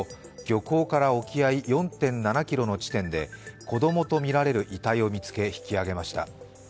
漁港から沖合４．７ｋｍの地点で子供とみられる遺体を見つけ引き上げました。